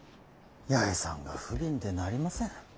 八重さんが不憫でなりません。